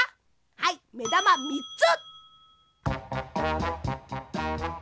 はいめだま３つ！